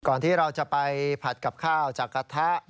ที่เราจะไปผัดกับข้าวจากกระทะ